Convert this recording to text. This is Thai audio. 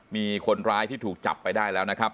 มีคนร้ายที่ถูกจับไปได้แล้วนะครับ